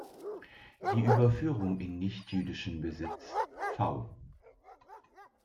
Die Überführung in nichtjüdischen Besitz“, „V.